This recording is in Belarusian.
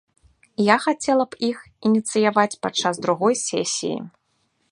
Я хацела б іх ініцыяваць падчас другой сесіі.